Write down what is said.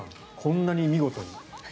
こんなに見事に。